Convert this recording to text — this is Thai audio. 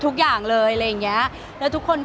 คือบอกเลยว่าเป็นครั้งแรกในชีวิตจิ๊บนะ